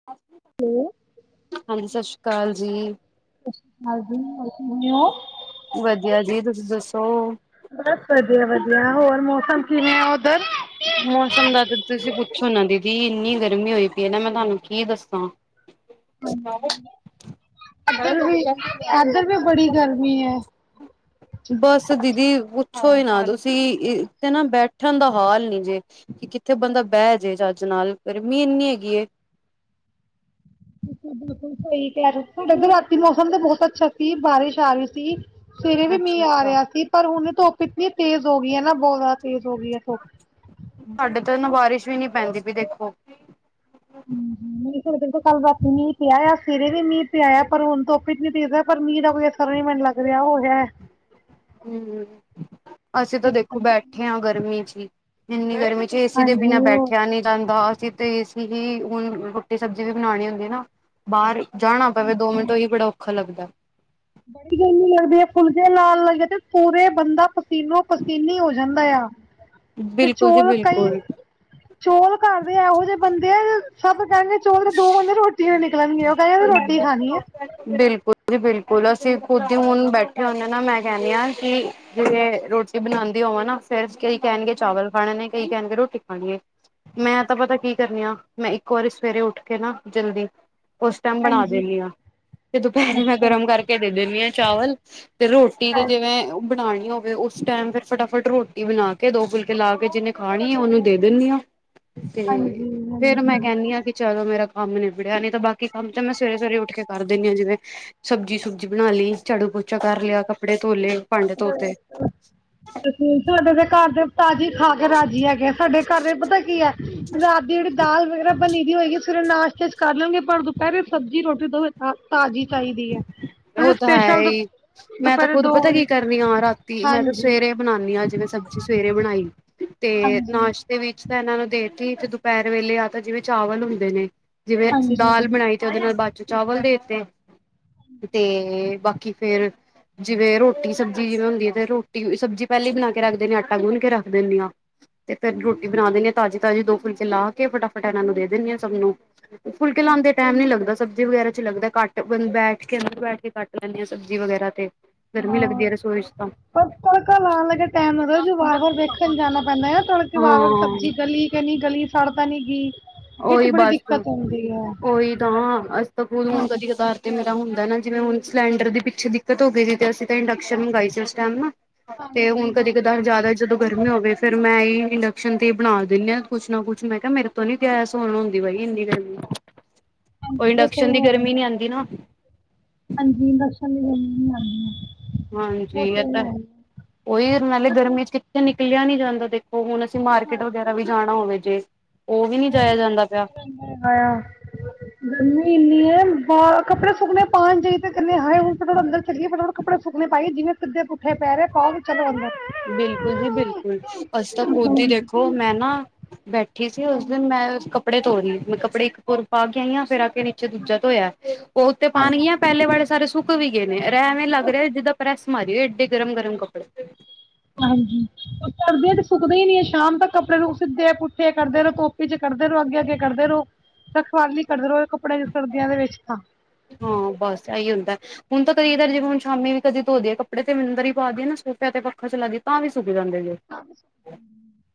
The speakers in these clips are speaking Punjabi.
[inaudible] ਹੈਲੋ। ਹਾਂਜੀ ਸਤਿ ਸ਼੍ਰੀ ਅਕਾਲ ਜੀ। [unintelligible] ਵਧੀਆ ਜੀ, ਤੁਸੀਂ ਦੱਸੋ? ਬਸ ਵਧੀਆ- ਵਧੀਆ, ਹੋਰ ਮੌਸਮ ਕਿਵੇਂ ਆ ਉੱਧਰ? ਮੌਸਮ ਦਾ ਤਾਂ ਤੁਸੀਂ ਪੁੱਛੋ ਨਾ ਦੀਦੀ, ਇੰਨੀ ਗਰਮੀ ਹੋਈ ਪਈ ਏ ਨਾ ਮੈਂ ਤੁਹਾਨੂੰ ਕੀ ਦੱਸਾਂ। [inaudible] ਹਮ। ਇੱਧਰ ਵੀ ਇੱਧਰ ਵੀ ਬੜੀ ਗਰਮੀ ਹੈ। ਬਸ ਦੀਦੀ ਪੁੱਛੋ ਈ ਨਾ ਤੁਸੀਂ ਇੱਕ ਤੇ ਨਾ ਬੈਠਣ ਦਾ ਹਾਲ ਨੀ ਜੇ ਕਿ ਕਿੱਥੇ ਬੰਦਾ ਬਹਿ ਜੇ ਚੱਜ ਨਾਲ ਗਰਮੀ ਇੰਨੀ ਹੈਗੀ ਐ। ਤੁਹਾਡੇ ਰਾਤੀ ਮੌਸਮ ਤੇ ਬਹੁਤ ਅੱਛਾ ਸੀ, ਬਾਰਿਸ਼ ਆ ਰਹੀ ਸੀ। ਸਵੇਰੇ ਵੀ ਅੱਛਾ ਮੀਂਹ ਆ ਅੱਛਾ ਰਿਹਾ ਸੀ, ਪਰ ਹੁਣ ਧੁੱਪ ਇਤਨੀ ਤੇਜ਼ ਹੋ ਗਈ ਐ ਨਾ ਬਹੁਤ ਜ਼ਿਆਦਾ ਤੇਜ਼ ਹੋ ਗਈ ਐ ਧੁੱਪ ਸਾਡੇ ਤਾਂ ਇਹਨੂੰ ਬਾਰਿਸ਼ ਵੀ ਨੀ ਪੈਂਦੀ ਪਈ ਦੇਖੋ [inaudible] ਮ ਕੱਲ ਰਾ ਮੀਂਹ ਪਿਆ ਸਵੇਰੇ ਮੀਂਹ ਪਿਆ ਪਰ ਹੁਣ ਧੁੱਪ ਇਤਨੀ ਤੇਜ਼ ਪਰ ਮੀਂਹ ਦਾ ਕੋਈ ਨੀਂ ਮੈਨੂੰ ਲੱਗ ਰਿਹਾ ਉਹ ਰਿਹਾ ਹੈ। ਹਮ ਅਸੀਂ ਤਾਂ ਦੇਖੋ ਬੈਠੇ ਆ ਗਰਮੀ ਚ ਈ ਇੰਨੀ ਗਰਮੀ 'ਚ' ਏ ਸੀ ਦੇ ਬਿਨਾਂ ਹਾਂਜੀ ਹੋਰ ਬੈਠਿਆ ਨੀ ਜਾਂਦਾ, ਅਸੀਂ ਤੇ ਏ ਸੀ ਵੀ ਹੁਣ ਰੋਟੀ ਸਬਜ਼ੀ ਵੀ ਬਣਾਣੀ ਹੁੰਦੀ ਨਾ ਬਾਹਰ ਜਾਣਾ ਪਵੇ ਦੋ ਮਿੰਟ ਉਹੀ ਬੜਾ ਔਖਾ ਲੱਗਦਾ। ਬੜੀ ਗਰਮੀ ਲੱਗਦੀ ਆ ਫੁਲਕੇ ਲਾਲ ਲੱਗੇ ਤੇ ਪੂਰਾ ਬੰਦਾ ਪਸੀਨੋ ਪਸੀਨੀ ਹੋ ਜਾਂਦਾ ਆ। [inaudible] ਜੀ ਚੋਲ ਕਈ, ਬਿਲਕੁਲ ਚੋਲ ਘਰ ਦੇ ਇਹੋ ਜੇ ਬੰਦੇ ਆ, ਸਭ ਕਹਿਣਗੇ [inaudible] ਮੈ ਰੋਟੀਆ ਨੀ ਖਾਣੀਆ। [unintelligible] ਬਿਲਕੁਲ। ਬਿਲਕੁਲ, ਅਸੀਂ ਖੁਦ ਹੀ ਹੁਣ ਬੈਠੇ ਹੁੰਦੇ ਆ ਨਾ, ਮੈਂ ਕਹਿਣੀ ਆ ਕਿ ਜਿਵੇਂ ਰੋਟੀ ਬਣਾਉਂਦੀ ਹੋਵਾਂ ਨਾ ਫੇਰ ਕਈ ਕਹਿਣਗੇ ਚਾਵਲ ਖਾਣੇ ਨੇ, ਕਈ ਕਹਿਣਗੇ ਰੋਟੀ ਖਾਣੀ ਏ, ਮੈਂ ਤਾਂ ਪਤਾ ਕੀ ਕਰਨੀ ਆ ਮੈਂ ਇੱਕ ਵਾਰੀ ਸਵੇਰੇ ਉੱਠ ਕੇ ਨਾ ਜਲਦੀ ਉਸ ਟਾਈਮ ਬਣਾ ਹਾਂਜੀ ਦੀਣੀ ਆ। ਤੇ ਦੁਪਹਿਰੇ ਮੈਂ ਅੱਛਾ ਗਰਮ ਕਰਕੇ ਦੇ ਦਿੰਨੀ ਆ ਚਾਵਲ ਤੇ ਰੋਟੀ ਤੇ ਜਿਵੇਂ ਹਾਂਜੀ ਬਣਾਣੀ ਹੋਵੇ ਉਸ ਟਾਈਮ ਫਿਰ ਫਟਾਫਟ ਰੋਟੀ ਬਣਾ ਕੇ ਦੋ ਫੁਲਕੇ ਲਾ ਕੇ ਜਿਹਨੇ ਖਾਣੀ ਆ ਉਹਨੂੰ ਦੇ ਦਿੰਨੀ ਆ। ਤੇ ਹਾਂਜੀ ਫੇਰ ਮੈਂ ਹਾਂਜੀ ਕਹਿੰਣੀ ਆ ਕਿ ਚਲੋ ਮੇਰਾ ਕੰਮ ਨਿਬੜਿਆ ਨਹੀਂ ਤਾਂ ਬਾਕੀ ਕਿ ਕੰਮ ਤਾਂ ਮੈਂ ਸਵੇਰੇ-ਸਵੇਰੇ ਉੱਠ ਕੇ ਕਰ ਦਿਣੀ ਆ ਜਿਵੇਂ ਸਬਜ਼ੀ-ਸੁਬਜੀ ਬਣਾ ਲੀ, ਝਾੜੂ ਪੋਚਾ ਕਰ ਲਿਆ। ਕੱਪੜੇ ਧੋ ਲਏ। ਭਾਂਡੇ ਧੋਤੇ ਅ ਸਾਡੇ ਦੇ ਘਰ ਦੇ ਤਾਜ਼ੀ ਖਾ ਕੇ ਰਾਜੀ ਹੈਗੇ। ਸਾਡੇ ਘਰ ਦੇ ਪਤਾ ਕੀ ਐ ਰਾਤ ਦੀ ਜਿਹੜੀ ਦਾਲ ਵਗੈਰਾ ਬਣੀ ਵੀ ਹੋਏਗੀ। ਫਿਰ ਨਾਸ਼ਤੇ ਕਰ ਲੈਣਗੇ ਪਰ ਦੁਪਹਿਰੇ ਸਬਜ਼ੀ ਰੋਟੀ ਤੋਂ ਤਾਜ਼ੀ ਚਾਹੀਦੀ ਹੈ ਉਹ ਮਤਲ ਤਾਂ ਹੈ ਸਪੈਸ਼ਲ ਹੀ ਮੈਂ ਤਾਂ ਦੁ-ਦੁਪਹਿਰੇ ਖੁਦ ਦੋ ਵਜੇ [unintelligible] ਰਾਤੀ ਮੈਂ ਤੇ ਸਵੇਰੇ ਬਣਾਨੀ [unintelligible] ਅੱਜ ਮੈਂ ਸਬਜ਼ੀ ਸਵੇਰੇ ਬਣਾਈ ਤੇ ਨਾਸ਼ ਦੇ ਵਿੱਚ ਤਾਂ ਇਹਨਾਂ ਨੂੰ ਦੇਤੀ ਦੁਪਹਿਰ ਵੇਲੇ ਆ ਤਾਂ ਚਾਵਲ ਹੁੰਦੇ ਨੇ। ਜਿਵੇਂ ਦਾਲ ਬਣਾਈ ਤੇ ਉਹਦੇ ਨਾਲ ਬਾਚ ਚਾਵਲ ਦੇ ਤੇ। ਤੇ ਬਾਕੀ ਫੇਰ ਜਿਵੇਂ ਰੋਟੀ ਸਬਜ਼ੀ ਜਿਵੇਂ ਹੁੰਦੀ ਆ ਤੇ ਰੋਟੀ ਸਬਜ਼ੀ ਪਹਿਲੇ ਹੀ ਬਣਾ ਕੇ ਰੱਖ ਦਿੰਨੀ ਆ। ਆਟਾ ਗੁੰਨ ਕੇ ਰੱਖ ਦਿੰਦੇ ਆ। ਤੇ ਫੇਰ ਰੋਟੀ ਬਣਾ ਦਿੰਦੇ ਆ ਤਾਂਜੀ-ਤਾਂਜੀ ਦੋ ਫੁਲਕੇ ਲਾ ਕੇ ਫਟਾਫਟਾ ਇਹਨਾਂ ਨੂੰ ਦੇ ਦਿੰਦੇ ਹਾਂ ਸਭ ਨੂੰ। ਫੁਲਕੇ ਲਾਂਣਦੇ ਦੇ ਟਾਈਮ ਨੀ ਲੱਗਦਾ ਸਬਜ਼ੀ ਵਗੈਰਾ 'ਚ' ਲੱਗਦਾ ਘੱਟ ਬੰ ਬੈਠ ਕੇ ਅੰਦਰ ਬੈਠ ਕੇ ਕੱਟ ਲੈਂਦੇ ਆ। ਸਬਜ਼ੀ ਵਗੈਰਾ ਤੇ ਗਰਮੀ ਲੱਗਦੀ ਆ ਰਸੋਈ 'ਚ' ਤਾਂ ਪਰ ਤੜਕਾ ਲਾਨ ਲੱਗੇ ਟੈਮ ਲੱਗਦਾ ਜੀ ਵਾਰ-ਵਾਰ ਵੇਖਣ ਜਾਣਾ ਪੈਂਦਾ ਆ ਤੜਕੇ ਵਾਰ-ਵਾਰ ਸਬਜ਼ੀ ਹਾਂ ਗਲੀ ਗਲੀ-ਗਲੀ, ਸੜ ਤਾਂ ਨੀ ਗੀ। ਓਹੀ ਬੱਸ ਤੂੰ ਓਹੀ ਤਾਂ ਅਸੀ ਤਾਂ ਖਦ ਹੁਣ ਕਦੀ ਕਦਾਰ ਤੇ ਮੇਰਾ ਹੁੰਦਾ ਨਾ ਜਿਵੇਂ ਹੁਣ ਸਿਲੰਡਰ ਦੀ ਪਿੱਛੇ ਦਿੱਕਤ ਹੋ ਗਈ, ਤੇ ਅਸੀਂ ਇੰਡਕਸ਼ਨ ਮੰਗਾਈ ਸੀ। ਉਸ ਟਾਈਮ ਨਾ, ਤੇ ਹੁਣ ਕਦੇ ਕਦਾ ਜ਼ਿਆਦਾ ਜਦੋਂ ਗਰਮੀ ਹੋਵੇ ਫਿਰ ਮੈਂ ਇ ਇੰਡਕਸ਼ਨ ਤੇ ਹੀ ਬਣਾ ਦਿੰਦੀ ਆ। ਕੁੱਛ ਨਾ ਕੁਛ ਮੈਂ ਕਿਹਾ ਮੇਰੇ ਤੋਂ ਨੀ ਗੈਸ ਔਨ ਹੁੰਦੀ ਬਾਈ ਇੰਨੀ ਗਰਮੀ, ਉਹ ਇੰਡਕਸ਼ਨ ਦੀ ਗਰਮੀ ਨੀ ਆਂਦੀ ਨਾ। ਹਾਂਜੀ ਇੰਡਕਸ਼ਨ ਦੀ ਨਹੀ ਆਂਦੀ। ਹਾਂਜੀ ਇਹ ਤਾਂ ਉਹੀ ਨਾਲੇ ਗਰਮੀ 'ਚ' ਕਿੱਥੇ ਨਿਕਲਿਆ ਨੀ ਜਾਂਦਾ ਦੇਖੋ। ਉਹ ਹੁਣ ਅਸੀਂ ਮਾਰਕੀਟ ਵਗੈਰਾ ਵੀ ਜਾਣਾ ਹੋਵੇ ਜੇ ਉਹ ਵੀ ਨੀ ਜਾਇਆ ਜਾਂਦਾ ਪਿਆ। ਆਇਆ ਆ ਗਰਮੀ ਇੰਨੀ ਐ ਬਾ ਕੱਪੜੇ ਸੁੱਕਨ ਪਾਉਣ ਜ ਹਏ ਹਣੁ ਅੰਦਰ ਚੱਲੀਏ ਫਟਾ ਫਟ ਕਪੱੜੇ ਸੁੱਕੇ ਨੇ ਪਾਈਏ ਜਿਵੇਂ ਸਿੱਧੇ ਪੁੱਠੇ ਪਾਉ ਚਲੋ ਅੰਦਰ। ਬਿਲਕੁਲ ਜੀ ਬਿਲਕੁਲ, ਅਸੀ ਤਾਂ ਖੁਦ ਹੀ ਦੇਖੋ ਮੈਂ ਨਾ ਬੈਠ ਠੀ ਸੀ ਉਸ ਦਿਨ ਮੈਂ ਕੱਪੜੇ ਧੋ ਰਹੀ ਸੀ। ਕੱਪੜੇ ਇੱਕ ਪੂਰ ਪਾ ਕੇ ਆਈ ਹਾਂ ਫਿਰ ਆ ਕੇ ਦੂਜਾ ਧੋਇਆ, ਉਹ ਉਤੇ ਪਾਣਗੀਆਂ ਪਹਿਲੇ ਵਾਲੇ ਸਾਰੇ ਸੁੱਕ ਵੀ ਗਏ ਰਹਿ ਐਵੇਂ ਲੱਗ ਰਿਹਾ ਜਿੱਦਾਂ ਪ੍ਰੈਸ ਮਾਰੀ ਐੱਡੇ ਗਰਮ-ਗਰਮ ਕੱਪੜੇ। ਹਾਂਜੀ। ਸਰਦੀਆ 'ਚ ਸੁੱਕਦੇ ਹੀ ਨੀ ਐ ਸ਼ਾਮ ਤੱਕ ਕੱਪੜੇ ਨੂੰ ਸਿੱਧੇ- ਪੁੱਠੇ ਕਰਦੇ ਰਹੋ ਧੁੱਪ 'ਚ ਕਰਦੇ ਰਹੋ। ਅੱਗੇ- ਅੱਗੇ ਕਰਦੇ ਰਹੋ। ਰਖਵਾਲੀ ਕਰਦੇ ਰਹੋ ਇਹ ਕੱਪੜਿਆਂ ਦੀ ਸਰਦੀਆਂ ਦੇ ਵਿੱਚ ਤਾਂ। ਹਾਂ ਬਸ ਇਹੀ ਹੁੰਦਾ ਹੁਣ ਤਾਂ ਕਦੇ ਇਧਰ ਜਿਵੇਂ ਹੁਣ ਸ਼ਾਮੀ ਵੀ ਕਦੇ ਧੋਦੇ ਆ ਕੱਪੜੇ ਤੇ ਅੰਦਰ ਹੀ ਪਾਦੀ ਆ ਨਾ ਸੋਫ ਤੇ ਪੱਖਾ ਚਲਾਦੀ ਏ। ਤਾਂ ਵੀ ਸੁੱਕ ਜਾਂਦੇ ਜੇ ਨੇ। [inaudible]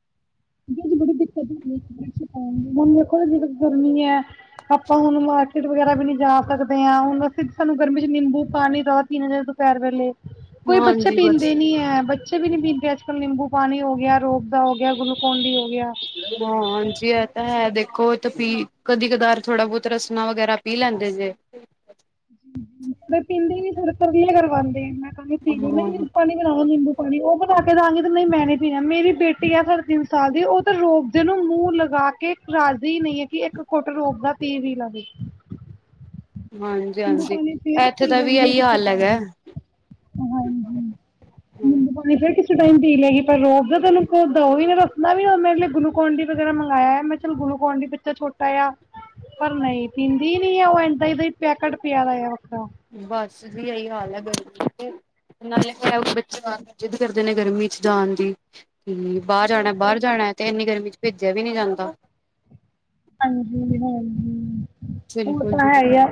ਬੜੀ ਦਿੱਕਤ ਹੁੰਦੀ, [unintelligible] ਮੇ ਕੋਲ ਜ ਗਰਮੀ ਹੈ ਆਪਾਂ ਹੁਣ ਮਾਰਕੀਟ ਵਗੈਰਾ ਵੀ ਨੀ ਜਾ ਸਕਦੇ ਆ। ਹੁਣ ਅਸੀ ਸਾਨੂੰ ਗਰਮੀ 'ਚ ਨਿੰਬੂ ਪਾਣੀ ਜਿਆਦਾ ਪੀਣਾ ਪੈਣ ਵੇਲੇ ਕੋਈ ਬੱਚੇ ਹਾਂਜੀ ਬਸ ਪੀਂਦੇ ਨੀ ਐ। ਬੱਚੇ ਵੀ ਨੀ ਪੀਂਦੇ ਅੱਜ ਨਿੰਬੂ ਪਾਣੀ ਹੋ ਗਿਆ, ਰੂਅਫਜਾ ਹੋ ਗਿਆ, ਗੁਲੂਕੋਨ ਡੀ ਹੋ ਗਿਆ। ਹਾਂ ਹਾਂਜੀ ਇਹ ਤਾਂ ਹੈ ਦੇਖੋ ਇਹ ਤਾਂ ਪੀ ਕਦੀ- ਕਦਾਰ ਥੋੜਾ ਬਹੁਤ ਰਸਣਾ ਵਗੈਰਾ ਪੀ ਲੈਂਦੇ ਜੇ। ਪਰ ਪੀਂਦੇ ਵੀ ਪੂਰੇ ਤਰਲੇ ਕਰਵਾਂਦੇ ਮੈਂ ਕਹ ਪੀ ਪਾਣੀ ਬਣਾਵਾਂ ਨਿੰਬੂ ਪਾਣੀ ਉਹ ਬਣਾ ਕੇ ਦਵਾਂਗੀ ਤਾਂ ਮੈਂ ਨੀ ਪੀਣਾ ਮੇਰੀ ਬੇਟੀ ਆ ਸਾਢੇ ਤਿੰਨ ਸਾਲ ਦੀ ਉਹ ਤੇ ਰੋਪਦੇ ਨੂੰ ਮੂੰਹ ਲਗਾ ਕੇ ਰੱਜ਼ਦੀ ਨਹੀਂ ਹੈ ਕਿ ਇੱਕ ਕੁੱਟ ਰੋਵ ਦਾ ਪੀ ਵੀ ਲਵੇ। ਹਾਂਜੀ-ਹਾਂਜੀ ਇੱਥੇ ਦਾ ਵੀ ਇਹੀ ਹਾਲ ਹੈਗਾ। ਹਾਂਜੀ। [unintelligible] ਨਹੀਂ ਫਿਰ ਕਿਸੇ ਟਾਈਮ ਪੀ ਲੈਗੀ ਪਰ ਰੋਵ ਦਾ ਤੈਨੂੰ ਕੋ ਦਾ ਵੀ ਰਸਣਾ ਵੀੇ ਗਲੂਕੋਡੀ ਵਗੈਰਾ ਮੰਗਵਾਇਆ ਮੈਂ ਚਲੋ ਗੁਲੂਕੋਡੀ ਬੱਚਾ ਛੋਟਾ ਆ, ਪਰ ਨਹੀਂ ਪੀਂਦੀ ਨੀ ਉਹ ਇਦਾਂ-ਇਦਾਂ ਹੀ ਪੈਕੇਟ ਪਿਆ ਦਾ ਆਵਦਾ। ਬੱਸ ਵੀ ਇਹੀ ਹਾਲ ਹੈ ਗਰਮੀ ਤੇ, ਨਾਲੇ ਫਿਰ ਬੱਚੇ ਆ ਕੇ ਕਰਦੇ ਨੇ ਗਰਮੀ 'ਚ ਜਾਣ ਦੀ, ਤੇ ਬਾਹਰ ਜਾਣਾ- ਬਾਹਰ ਜਾਣਾ ਤੇ ਤੇ ਇੰਨੀ ਗਰਮੀ ਚ ਭੇਜਿਆ ਵੀ ਨੀ ਜਾਂਦਾ। ਹਾਂਜੀ-ਹਾਂਜੀ ਉਹ ਬਿਲਕੁਲ ਤਾਂ ਜੀ ਹੈ ਬਿਲਕੁਲ ਆ।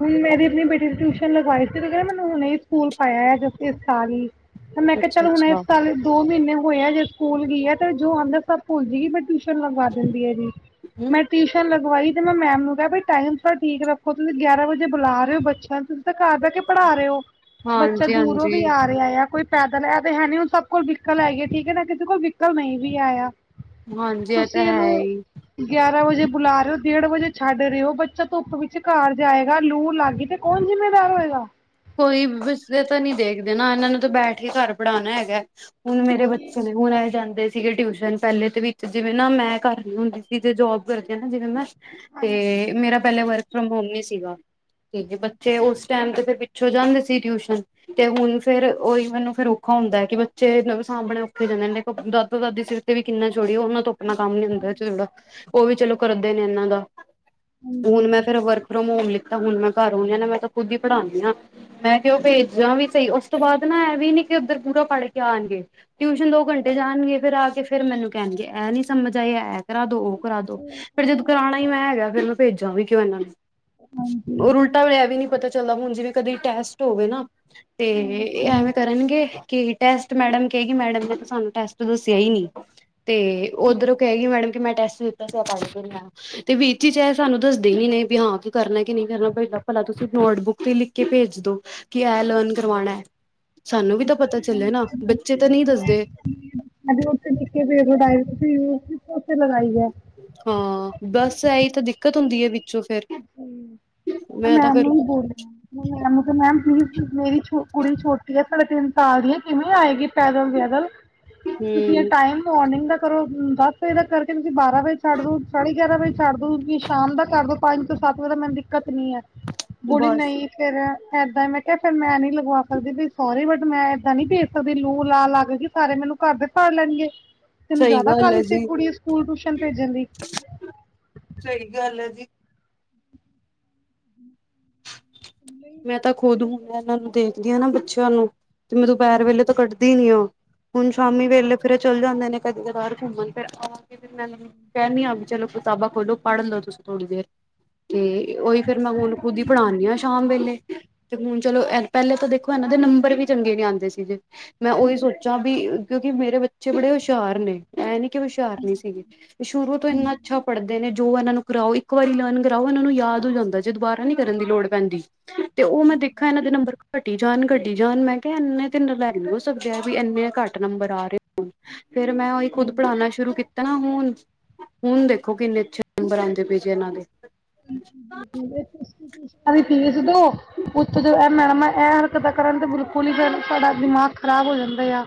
ਹੁਣ ਮੈਂ ਆਪਣੀ ਬੇਟੀ ਦੀ ਟਿਊਸ਼ਨ ਲਗਾਈ ਸੀ ਮੈਨੂੰ ਹੁਣੇ ਸਕੂਲ ਪਾਇਆ ਜਸਟ ਇਸ ਸਾਲ ਹੀ। ਤੇ ਮੈਂ ਕਿਹਾ ਅੱਛਾ ਚੱਲ ਹੁਣ ਇਸ ਅੱਛਾ ਸਾਲ ਦੋ ਮਹੀਨੇ ਹੋਏ ਆ ਸਕੂਲ ਗਈ ਆ ਤੇ ਜੋ ਆਂਦਾ ਸਭ ਭੁੱਲ ਦੀ ਬੱਟ ਟਿਊਸਨ ਲਗਵਾ ਦਿੰਦੀ ਇਹਦੀ ਜੀ, ਮੈਂ ਟਿਊਸ਼ਨ ਲ ਗਵਾਈ ਤੇ ਮੈਂ ਮੈਮ ਨੂੰ ਕਿਹਾ ਵੀ ਟਾਈਮ ਥੋੜਾ ਠੀਕ ਰੱਖੋ ਤੁਸੀਂ ਗਿਆਰਾਂ ਵਜੇ ਬੁਲਾ ਰਹੇ ਹੋ ਬੱਚਿਆਂ ਨੂੰ ਤੁਸੀਂ ਕਰਦਾ ਪੜ੍ਹਾ ਰਹੇ ਹੋ ਬੱਚਾ ਹਾਂਜੀ ਦੂਰੋਂ ਵੀ ਹਾਂਜੀ ਆ ਰਿਹਾ ਆ ਕੋਈ ਪੈਦਲ ਆ ਤੇ ਹੈ ਹੁਣ ਸਭ ਕੋਲ ਵਿਕਲ ਹੈਗੀ ਠੀਕ ਹੈ ਨਾ ਕਿਸੇ ਕੋਲ ਵਿਕਲ ਨਹੀਂ ਵੀ ਆਇਆ। ਹਾਂਜੀ ਇਹ ਤਾਂ ਤੁਸੀਂ ਹੈ ਇਹਨੂੰ ਹੀ ਗਿਆਰਾਂ ਵਜੇ ਬੁਲਾ ਰਹੇ ਹੋ, ਡੇਢ ਵਜੇ ਛੱਡ ਰਿਹੇ ਹੋ, ਬੱਚਾ ਧੁੱਪ ਵਿੱਚ ਘਰ ਜਾਏਗਾ, ਲੂ ਲੱਗ ਗ ਤੇ ਕੌਣ ਜ਼ਿੰਮੇਵਾਰ ਹੋਏਗਾ? ਕੋਈ ਵੇਸਵੇ ਤੋ ਨੀ ਦੇਖਦੇ ਨਾ ਇਹਨਾਂ ਨੂੰ ਤਾਂ ਬੈਠ ਕੇ ਘਰ ਪੜ੍ਹਾਉਣਾ ਹੈਗਾ। ਹੁਣ ਮੇਰੇ ਬੱਚੇ ਨੇ ਹੁਣ ਆਏ ਜਾਂਦੇ ਸੀ। ਸੀਗੇ ਟਿਊਸ਼ਨ ਪਹਿਲੇ ਦੇ ਵਿੱਚ ਜਿਵੇਂ ਨਾ ਮੈਂ ਘਰ ਨ ਹੁੰਦੀ ਸੀ ਜ ਜੋਬ ਕਰਦੀ ਨਾ ਜਿਵੇਂ ਮੈਂ ਤੇ ਮੇਰਾ ਪਹਿਲੇ ਵਰਕ ਫਰੋਮ ਹੋਮ ਨੀ ਸੀਗਾ ਤੇ, ਬੱਚੇ ਉਸ ਟੈਮ ਤੇ ਫਿਰ ਛੋ ਜਾਂਦੇ ਸੀ ਟਿਊਸ਼ਨ। ਤੇ ਹੁਣ ਫੇਰ ਉਹੀ ਮੈਨੂੰ ਫੇਰ ਔਖਾ ਹੁੰਦਾ ਕਿ ਬੱਚੇ ਸਾਂਭਣੇ ਔਖੇ ਹੋ ਜਾਂਦੇ ਨੇ ਦਾਦਾ-ਦਾਦੀ ਸਿਰ ਵੀ ਕਿੰਨਾ ਜੋੜਓ ਉਹਨਾਂ ਤੋਂ ਆਪਣਾ ਕੰਮ ਨੀ ਹੁੰਦਾ ਚੋੜਾ ਉਹ ਵੀ ਚਲੋ ਕਰਦੇ ਨੇ ਇਹਨਾਂ ਦਾ, ਹੁਣ ਮੈਂ ਫਿਰ ਵਰਕ ਫਰੋਮ ਹੋਮ ਲੈਤਾ ਹੁਣ ਮੈਂ ਘਰ ਹੁੰਨੀ ਮੈਂ ਤਾਂ ਖੁਦ ਹੀ ਪੜਾਉਦੀ ਹਾਂ। ਮੈਂ ਤੇ ਉਹ ਭੇਜਦਾ ਵੀ ਸਹੀ ਉਸ ਤੋਂ ਬਾਅਦ ਨਾ ਇਹ ਵੀ ਨੀ ਕਿ, ਉੱਧਰ ਪੂਰਾ ਪੜ੍ਹ ਕੇ ਆਉਣਗੇ? ਟਿਊਸ਼ਨ ਦੋ ਘੰਟੇ ਜਾਣਗੇ ਫਿਰ ਆ ਕੇ ਫਿਰ ਮੈਨੂੰ ਕਹਿਣਗੇ ਇਹ ਨੀ ਸਮਝ ਆਏ। ਕਰਾ ਦੋ ਉਹ ਕਰਾ ਦੋ ਫਿਰ ਜਦੋਂ ਕਰਾਉਣਾ ਹੀ ਮੈਂ ਹੈਗਾ ਫੇਰ ਮੈਂ ਭੇਜਾਂ ਵੀ ਕਿਉਂ ਇਹਨਾਂ ਨੂੰ। ਉਲਟਾ ਹੁਣ ਏ ਵੀ ਨੀ ਪਤਾ ਚੱਲਦਾ ਹੁਣ ਜਿਵੇਂ ਕਦੀ ਟੈਸਟ ਹੋਵੇ ਨਾ ਤੇ ਏ ਐਵੇਂ ਕਰਨਗੇ? ਕਿ ਟੈਸਟ ਮੈਡਮ ਕੈਗੀ ਮੈਡਮ ਨੇ ਸਾਨੂੰ ਟੈਸਟ ਦੱਸਿਆ ਹੀ ਨੀ ਤੇ ਉੱਧਰੋਂ ਕਹਿਗੀਈ ਮੈਡਮ ਕਿ ਮੈਂ ਟੈਸਟ ਦਿੱਤਾ ਸੀ ਇਹ ਪੜ ਕੇ ਨੀਂ ਆਇਆ। ਤੇ ਬੀ ਚੀ ਇਹ ਸਾਨੂੰ ਦੱਸਦੇ ਹੀ ਨ ਨੇ ਵੀ ਹਾਂ ਕੀ ਕਰਨਾ ਕਿ ਨਹੀਂ ਕਰਨਾ ਪਹਿ ਭਲਾ ਤੁਸੀਂ ਨੋਟਬੁੱਕ ਤੇ ਲਿਖ ਕੇ ਭੇਜ ਦੋ ਕਿ ਐ ਲਰਨ ਕਰਵਾਣਾ। ਸਾਨੂੰ ਵੀ ਤਾਂ ਪਤਾ ਚੱਲੇ ਨਾ, ਬੱਚੇ ਤਾਂ ਨਹੀਂ ਦੱਸਦੇ। [unintelligible] ਹਾਂ, ਬਸ ਐਈ ਤਾਂ ਦਿੱਕਤ ਹੁੰਦੀ ਹੈ ਵਿੱਚੋਂ ਫੇਰ। ਹੂੰ ਮੈਂ ਤਾਂ ਮੈਮ ਫੇਰ ਨੂੰ ਵੀ ਬੋਲਿਆ। ਮ ਮੈਮ ਪਲੀਜ਼ ਮੇਰੀ ਕੁੜੀ ਛੋਟੀ ਆ ਸਾਡੇ ਤਿੰਨ ਸਾਲ ਦੀ ਆ ਕਿਵੇਂ ਆਏਗੀ ਪੈਦਲ-ਵੈਦਲ ਤੁਸੀਂ ਇਹ ਹਮ ਟਾਈਮ ਮੋਰਨਿੰਗ ਦਾ ਕਰੋ ਦਸ ਵਜੇ ਤੱਕ ਕਰਕੇ, ਤੁਸੀਂ ਬਾਰਾਂ ਵਜੇ ਛੱਡ ਦੋ, ਸਾਢੇ ਗਿਆਰਾਂ ਵਜੇ ਛੱਡ ਦੋ, ਤੁ ਸ਼ਾਮ ਦਾ ਕਰ ਦੋ ਪੰਜ ਸੱਤ ਵਜੇ ਤਾਂ ਮੈਨੂੰ ਦਿੱਕਤ ਨੀ ਹੈ ਬੋਲੀ ਬਸ ਨਹੀਂ ਫੇਰ ਏਦਾਂ ਹੀ ਮੈਂ ਕਿਹਾ ਫਿਰ ਮੈਂ ਨੀ ਲਗਵਾ ਸਕਦੀ ਵੀ ਸੋਰੀ ਬਟ ਮੈਂ ਏਦਾਂ ਨੀ ਭੇਜ ਸਕਦੀ ਲੂ-ਲਾ ਲੱਗਗੀ ਸਾਰੇ ਮੈਨੂੰ ਘਰ ਦੇ ਫੜ ਲੈਣਗੇ ਤੈਨੂੰ ਸਹੀ ਜ਼ਿਆਦਾ ਗੱਲ ਹੈ ਕਾਹਲੀ ਸੀ ਕੁੜੀ ਸਕੂਲ ਟਿਊਸ਼ਨ ਭੇਜਣ ਦੀ। ਸਹੀ ਗੱਲ ਹੈ ਜੀ। ਮੈਂ ਤਾਂ ਖੁਦ ਹੁਣਾ ਇਹਨਾਂ ਨੂੰ ਦੇਖਦੀ ਹਾਂ ਨਾ ਬੱਚਿਆਂ ਨੂੰ ਤੇ ਮੈਂ ਦੁਪਹਿਰ ਵੇਲੇ ਤਾਂ ਕੱਢਦੀ ਨੀਂ ਆ। ਹੁਣ ਸ਼ਾਮੀ ਵੇਲੇ ਫਿਰ ਇਹ ਚੱਲ ਜਾਂਦੇ ਨੇ ਕਦੇ ਕਦਾਰ ਇਹ ਘੁੰਮਣ ਫਿਰ ਆ ਮੈਂ ਕਹਿਣੀ ਹਾਂ ਚਲੋ ਕਿਤਾਬਾਂ ਖੋਲੋ ਪੜ੍ਹ ਲੋ ਤੁਸੀਂ ਥੋੜ੍ਹੀ ਦੇਰ। ਤੇ ਉਹੀ ਫੇਰ ਮੈਂ ਹੁਣ ਖੁਦ ਹੀ ਪੜ੍ਹਾਂਦੀ ਹਾਂ ਸ਼ਾਮ ਵੇਲੇ। ਤੇ ਹੁਣ ਚਲੋ ਪਹਿਲੇ ਤਾਂ ਦੇਖੋ ਇਹਨਾਂ ਦੇ ਨੰਬਰ ਵੀ ਚੰਗੇ ਨੀ ਆਉਂਦੇ ਸੀ ਜੇ ਮੈਂ ਉਹੀ ਸੋਚਾਂ ਵੀ ਕਿਉਂਕਿ ਮੇਰੇ ਬੱਚੇ ਬੜੇ ਹੁਸ਼ਿਆਰ ਨੇ ਐ ਨੀ। ਹੁਸ਼ਿਆਰ ਨਹੀਂ ਸੀਗੇ ਤੇ ਸ਼ੁਰੂ ਤੋਂ ਇੰਨਾ ਅੱਛਾ ਪੜ੍ਹਦੇ ਨੇ ਜੋ ਇਹਨਾਂ ਨੂੰ ਕਰਾਓ। ਇੱਕ ਵਾਰੀ ਲਰਨ ਕਰਾਓ ਉਹਨਾਂ ਨੂੰ ਯਾਦ ਹੋ ਜਾਂਦਾ ਜੇ ਦੁਬਾਰਾ ਨੀ ਕਰਨ ਦੀ ਲੋੜ ਪੈਂਦੀ। ਤੇ ਉਹ ਮੈਂ ਦੇਖਿਆ ਇਹਨਾਂ ਦੇ ਨੰਬਰ ਘਟੀ ਘਟੀ ਜਾਣ, ਘਟੀ ਜਾਣ ਮੈਂ ਕਿਹਾ ਇੰਨੇ ਤਾਂ ਨਲਾਇਕ ਨਹੀਂ ਹੋ ਸਕਦੇ ਵੀ ਇੰਨੇ ਘੱਟ ਨੰਬਰ ਆ ਰਹੇ ਫੇਰ ਮੈਂ ਉਹੀ ਖੁਦ ਪੜ੍ਹਾਉਣਾ ਸ਼ੁਰੂ ਕੀਤਾ ਨਾ ਹੁਣ ਹੁਣ ਦੇਖੋ ਕਿੰਨੇ ਅੱਛੇ ਨੰਬਰ ਆਉਂਦੇ ਪਏ ਜੇ ਇਹਨਾਂ ਦੇ। [unintelligible] ਦੀ ਫੀਸ ਦੋ, ਉੱਥੋਂ ਇਹ ਮੈਡਮ ਐ ਪਤਾ ਕਰਨ ਤੇ ਬਿਲਕੁਲ ਹੀ ਫੇਰ ਸਾਡਾ ਦਿਮਾਗ ਖ਼ਰਾਬ ਹੋ ਜਾਂਦੇ ਆ,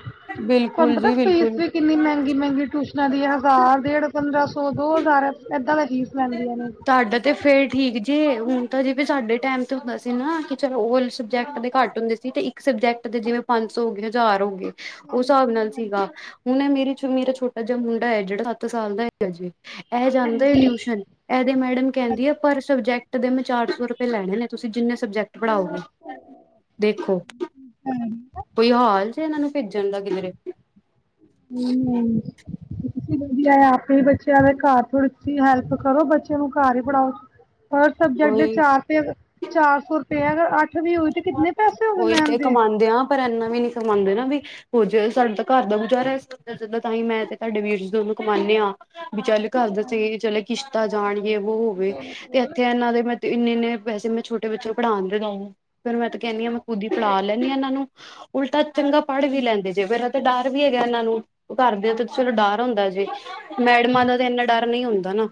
ਤੁਹਾਨੂੰ ਬਿਲਕੁਲ ਪਤਾ ਜੀ ਫੀਸ ਬਿਲਕੁਲ ਵੀ ਕਿੰਨੀ ਮਹਿੰਗੀ- ਮਹਿੰਗੀ ਟਿਊਸ਼ਨਾਂ ਦੀ ਹਜ਼ਾਰ, ਡੇਢ, ਪੰਦਰਾਂ ਸੌ, ਦੋ ਹਜ਼ਾਰ ਏਦਾਂ ਦਾ ਫੀਸ ਲੈਂਦੀਆਂ ਨੇ। ਸਾਡਾ ਤੇ ਫੇਰ ਠੀਕ ਜੇ ਹੁਣ ਤਾਂ ਜੇਵੇ ਸਾਡੇ ਟਾਈਮ ਤੇ ਹੁੰਦਾ ਸੀ ਨਾ ਕਿ ਚਲੋ ਉਹ ਸਬਜੈਕਟ ਦੇ ਘੱਟ ਹੁੰਦੇ ਸੀ ਤੇ ਇੱਕ ਸਬਜੈਕਟ ਦੇ ਜਿਵੇਂ ਪੰਜ ਸੌ ਹੋ ਗਏ ਹਜ਼ਾਰ ਹੋ ਗਏ। ਉਸ ਹਿਸਾਬ ਨਾਲ ਸੀਗਾ, ਹੁਣ ਮੇਰੀ ਛੋਟਾ ਜਿਹਾ ਮੁੰਡਾ ਹੈ ਜਿਹੜਾ ਸੱਤ ਸਾਲ ਦਾ ਹੈਗਾ ਜੇ। ਇਹ ਜਾਂਦਾ ਟਿਊਸ਼ਨ। ਇਹਦੇ ਮੈਡਮ ਕਹਿੰਦੀ ਆ ਪਰ ਸਬਜੈਕਟ ਦੇ ਮੈਂ ਚਾਰ ਸੌ ਰੁਪਏ ਲੈਣੇ ਨੇ ਤੁਸੀਂ ਜਿੰਨੇ ਸਬਜੈਕਟ ਪੜ੍ਹਾਓਗੇ, ਦੇਖੋ, ਕੋਈ ਹਾਲ ਜੇ ਇਹਨਾਂ ਨੂੰ ਭੇਜਣ ਦਾ ਕਿਧਰੇ। ਹ [inaudible] ਹੂੰ ਤੁਸੀਂ ਵਧੀਆ ਆਪਣੇ ਹੀ ਬੱਚਿਆਂ ਦੇ ਘਰ ਥੋੜੀ ਤੁਸੀ ਹੈਲਪ ਕਰੋ ਬੱਚਿਆਂ ਨੂੰ ਘਰ ਹੀ ਪੜ੍ਹਾਓ। ਹਰ ਸਬਜੈਕਟ ਦੇ ਕੋਈ ਚਾਰ ਸੌ, ਚਾਰ ਸੌ ਰੁਪਏ ਅ ਅੱਠ ਅੱਠ ਤਾ ਹੋਗੇ ਕਿੰਨੇ ਪੈਸੇ ਹੋ ਗਏ ਉਹੀ ਮੈਮ ਤੇ ਦੇ। ਕਮਾਉਂਦੇ ਆ ਪਰ ਇੰਨਾ ਵੀ ਨੀ ਕਮਾਉਂਦੇ ਨਾ ਵੀ ਹੋ ਜ ਸਾਡਾ ਤਾਂ ਘਰ ਦਾ ਗੁਜ਼ਾਰਾ ਇਸ ਨਾਲ਼ ਤਾਂ ਹੀ ਮੈਂ ਤੇ ਤੁਹਾਡੇ ਵੀਰ ਚ ਦੋਨੋਂ ਕਮਉਂਦੇ ਹਾਂ ਵੀ ਚੱਲ ਕਰਦੇ ਸੀ ਚਲੇ ਕਿਸ਼ਤਾ ਜਾਣਗੇ ਵੋ ਹੋਵੇ ਤੇ ਇੱਥੇ ਇਹਨਾਂ ਦੇ ਮ ਤੇ ਇੰਨੇ- ਇੰਨੇ ਪੈਸੇ ਮੈਂ ਛੋਟੇ ਬੱਚੇ ਪੜ੍ਹਾਂਉਣ ਤੇ ਲਾਉ ਫਿਰ ਮੈਂ ਤਾਂ ਕਹਿੰਦੀ ਹ ਮੈਂ ਖੁਦ ਹੀ ਪੜਾ ਲੈ ਇਹਨਾਂ ਨੂੰ ਉਲਟਾ ਚੰਗਾ ਪੜ੍ਹ ਵੀ ਲੈਂਦੇ ਜੇ ਫੇਰ ਤੇ ਡਰ ਵੀ ਹੈਗਾ ਇਹਨਾਂ ਨੂੰ, ਘਰਦਿਆਂ ਤੇ ਚਲੋ ਡਰ ਹੁੰਦਾ ਜੇ ਮੈਡਮਾਂ ਦਾ ਤਾਂ ਇੰਨਾ ਡਰ ਨਹੀਂ ਹੁੰਦਾ ਨਾ।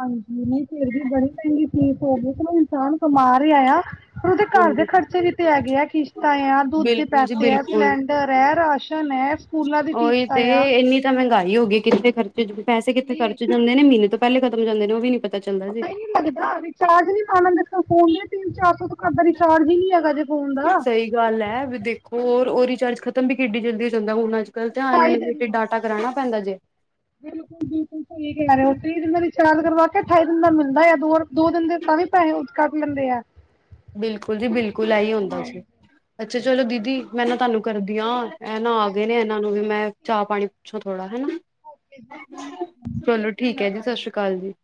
ਹਾਂਜੀ ਨਹੀਂ ਫਿਰ ਵੀ ਬੜੀ ਮਹਿੰਗੀ ਫੀਸ ਹੋ ਗਈ ਚਲੋ ਇਨਸਾਨ ਕਮਾ ਰਿਹਾ ਆ। ਪਰ ਉਹਦੇ ਘਰ ਦੇ ਹਾਂਜੀ ਖ਼ਰਚੇ ਵੀ ਤੇ ਹੈਗੇ ਆ ਕਿਸ਼ਤਾਂ ਆ, ਦੁੱਧ ਦੇ ਬਿਲਕੁਲ ਜੀ ਪੈਸੇ ਹੈ, ਬਿਲਕੁਲ ਸਿਲੰਡਰ ਹੈ, ਰਾਸ਼ਨ ਹੈ। ਸਕੂਲਾਂ ਦੀ ਓਹੀ ਤੇ ਫੀਸਾਂ ਆ ਇੰਨੀ ਤਾਂ ਮਹਿੰਗਾਈ ਹੋ ਗਈ ਕਿੱਥੇ ਖਰਚੇ ਪੈਸੇ ਕਿੱਥੇ ਖਰਚ ਜਾਂਦੇ ਨੇ ਮਹੀਨੇ ਤੋਂ ਪਹਿਲੇ ਖਤਮ ਹੋ ਜਾਂਦੇ ਨੇ ਉਹ ਵੀ ਨੀ ਪਤਾ ਚੱਲਦਾ ਜੀ। ਪਤਾ ਨੀ ਲੱਗਦਾ ਰਿਚਾਰਜ ਨੀ ਪਾਲਾ ਦੇ ਫੋਨ 'ਚ ਤਿੰਨ ਚਾਰ ਸੌ ਤੋਂ ਘੱਟ ਤਾਂ ਰਿਚਾਰਜ ਹੀ ਨੀ ਹੈਗਾ ਜੇ। ਫੋਨ ਦਾ। ਸਹੀ ਗੱਲ ਹੈ, ਵੀ ਦੇਖੋ, ਉਹ ਰਿਚਾਰਜ ਖਤਮ ਵੀ ਕਿੱਡੀ ਜਲਦੀ ਹੋ ਜਾਂਦਾ। ਹੁਣ ਅੱਜ- ਕੱਲ੍ਹ ਅਨਲਿਮਿਟਿਡ ਡਾਟਾ ਕਰਾਣਾ ਪੈਂਦਾ ਜੇ। ਬਿਲਕੁਲ ਜੀ ਬਿਲਕੁਲ ਸਹੀ ਕਹਿ ਰਹੇ ਹੋ ਤੀਹ ਦਿਨਾਂ ਦਾ ਚਾਰਜ ਕਰਵਾ ਕੇ ਅਠਾਈ ਦਿਨ ਦਾ ਮਿਲਦਾ ਆ ਦੋ ਦਿਨ ਦੇ ਤਾਂ ਵੀ ਪੈਸੇ ਉੱਚ ਕੱਟ ਲੈਂਦੇ ਆ। ਬਿਲਕੁਲ ਜੀ ਬਿਲਕੁਲ ਆਈ ਹੁੰਦਾ ਜੀ, ਅੱਛਾ ਚਲੋ ਦੀਦੀ ਮੈਂ ਨਾ ਤੁਹਾਨੂੰ ਕਰਦੀ ਹ ਇਹ ਨਾ ਆ ਗਏ ਨੇ ਇਹਨਾਂ ਨੂੰ ਵੀ ਮੈਂ ਚਾਹ- ਪਾਣੀ ਪੁੱਛੋ ਥੋੜਾ ਹਨਾ। ਚਲੋ ਠੀਕ ਹੈ ਜੀ ਸਤਿ ਸ੍ਰੀ ਅਕਾਲ ਜੀ।